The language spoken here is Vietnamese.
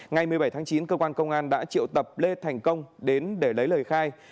ngày một mươi bảy tháng chín cơ quan công an đã triệu tập lê thành công đến để lấy lời khai